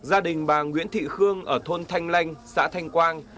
gia đình bà nguyễn thị khương ở thôn thanh lanh xã thanh quang